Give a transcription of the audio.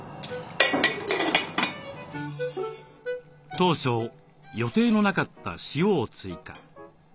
当初予定のなかった塩を追加。